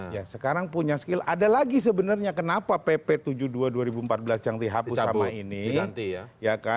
ya sekarang punya skill ada lagi sebenarnya kenapa pp tujuh puluh dua dua ribu empat belas yang dihapus sama ini